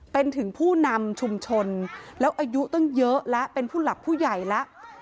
เป็นถึงผู้นำชุมชนแล้วอายุตั้งเยอะแล้วเป็นผู้หลักผู้ใหญ่แล้ว